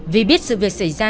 vì biết sự việc xảy ra